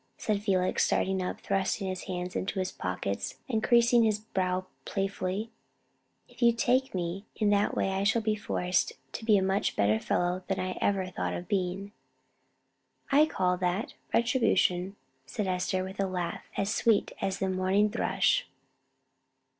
said Felix, starting up, thrusting his hands into his pockets, and creasing his brow playfully, "if you take me in that way I shall be forced to be a much better fellow than I ever thought of being." "I call that retribution," said Esther, with a laugh as sweet as the morning thrush.